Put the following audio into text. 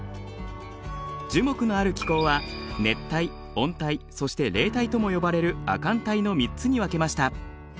樹木のある気候は熱帯温帯そして冷帯とも呼ばれる亜寒帯の３つに分けました。